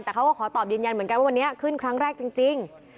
แต่เขาก็ขอตอบยืนยันเหมือนกันว่าวันนี้ขึ้นครั้งแรกจริง